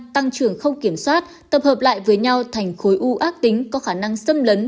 tăng trưởng không kiểm soát tập hợp lại với nhau thành khối u ác tính có khả năng xâm lấn